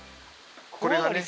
これがね